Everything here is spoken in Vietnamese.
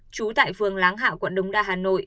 chú tại phương láng hảo quận đống đa hà nội